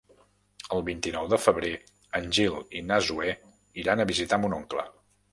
El vint-i-nou de febrer en Gil i na Zoè iran a visitar mon oncle.